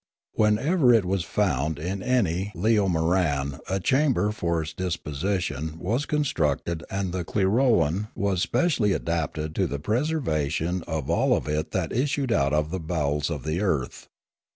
Whenever it was found in any leomoran a chamber for its deposition was constructed and the clirolan was specially adapted to the preservation of all of it that issued out of the bowels of the earth.